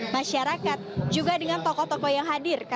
masyarakat juga sudah berbicara tentang hal hal yang akan dilakukan